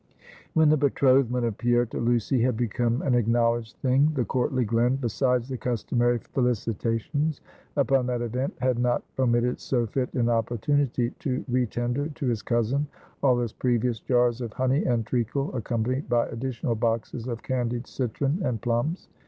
When the betrothment of Pierre to Lucy had become an acknowledged thing, the courtly Glen, besides the customary felicitations upon that event, had not omitted so fit an opportunity to re tender to his cousin all his previous jars of honey and treacle, accompanied by additional boxes of candied citron and plums.